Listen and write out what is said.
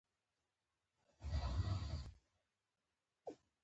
زوم ته دې قيمتي کور واخيست.